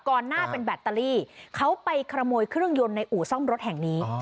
หน้าเป็นแบตเตอรี่เขาไปขโมยเครื่องยนต์ในอู่ซ่อมรถแห่งนี้